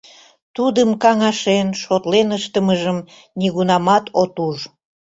Тудым каҥашен, шотлен ыштымыжым нигунамат от уж.